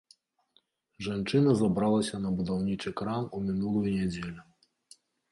Жанчына забралася на будаўнічы кран у мінулую нядзелю.